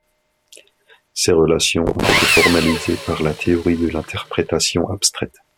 Ces relations ont été formalisées par la théorie de l’interprétation abstraite.